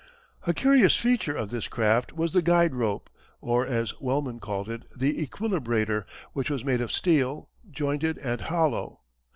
A curious feature of this craft was the guide rope or, as Wellman called it, the equilibrator, which was made of steel, jointed and hollow.